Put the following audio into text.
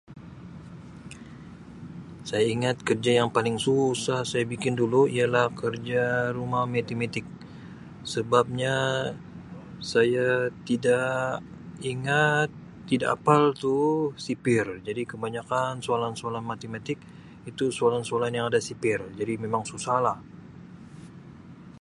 Saya ingat kerja yang paling saya susah mau bikin dulu ialah kerja rumah Matematik sebabnya saya tidak ingat tidak hafal tu sifir jadi kebanyakan soalan-soalan Matematik itu soalan-soalan yang ada sifir jadi memang susah lah.